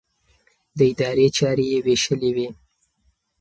د ادارې چارې يې وېشلې وې.